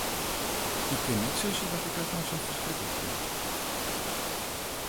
Ik kin net sizze dat ik dat no sa ferskriklik fyn.